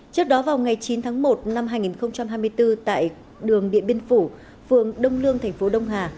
trước đó vào ngày chín tháng một năm hai nghìn hai mươi bốn tại đường điện biên phủ phường đông lương thành phố đông hà